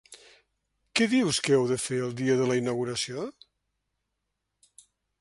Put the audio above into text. Què dius que heu de fer, el dia de la inauguració?